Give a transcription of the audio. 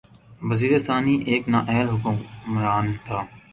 یزید ثانی ایک نااہل حکمران تھا